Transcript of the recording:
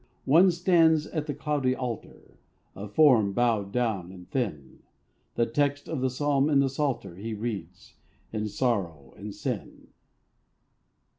One stands at the cloudy altar, A form bowed down and thin; The text of the psalm in the psalter He reads, is sorrow and sin.